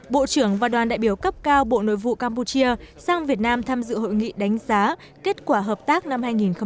bộ trưởng và đoàn đại biểu cấp cao bộ nội vụ campuchia sang việt nam tham dự hội nghị đánh giá kết quả hợp tác năm hai nghìn một mươi tám